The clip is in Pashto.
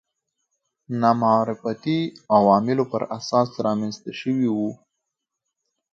نامعرفتي عواملو پر اساس رامنځته شوي وو